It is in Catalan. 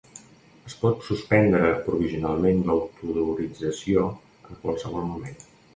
Es pot suspendre provisionalment l'autorització en qualsevol moment.